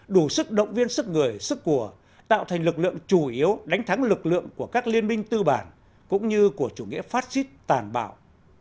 đủ sức động viên sức người sức của tạo thành lực lượng chủ yếu đánh thắng lực lượng của các liên minh tư bản cũng như của chủ nghĩa phát xít tàn bạo